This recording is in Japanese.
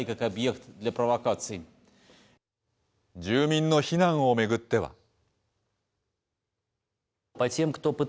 住民の避難を巡っては。